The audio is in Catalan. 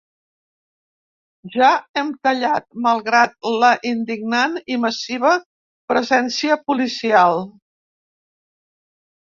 Ja hem tallat, malgrat la indignant i massiva presència policial.